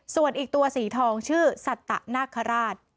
ส่วนอีกตัวสีทองชื่อสัตนาคาราช